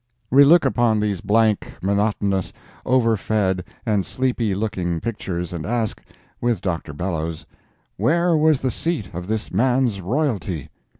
We look upon these blank, monotonous, over fed and sleepy looking pictures, and ask, with Dr. Bellows, "Where was the seat of this man's royalty?"